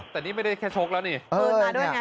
แต่นี่ไม่ได้แค่โชคแล้ว